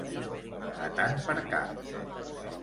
A tant per cap.